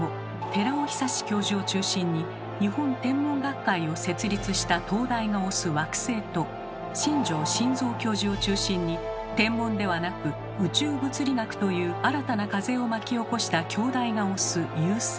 寺尾寿教授を中心に日本天文学会を設立した東大が推す「惑星」と新城新蔵教授を中心に「天文」ではなく「宇宙物理学」という新たな風を巻き起こした京大が推す「遊星」。